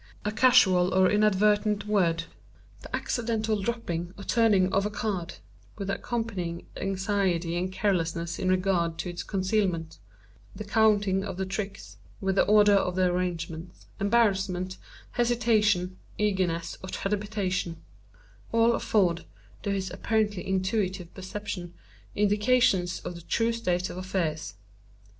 A casual or inadvertent word; the accidental dropping or turning of a card, with the accompanying anxiety or carelessness in regard to its concealment; the counting of the tricks, with the order of their arrangement; embarrassment, hesitation, eagerness or trepidation—all afford, to his apparently intuitive perception, indications of the true state of affairs.